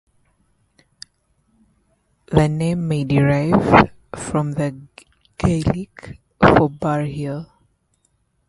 The name may derive from the Gaelic for 'bare hill'.